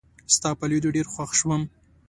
ستا په لیدو ډېر خوښ شوم